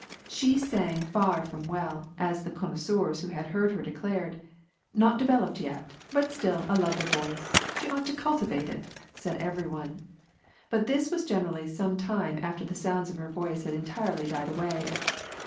She still sang far from well, as all the connoisseurs who had heard her declared. '' JSTot developed yet, but still a lovely voice ; she ought to cultivate it," said every one. But this was said generally some time after the sounds of her voice had entirely died away.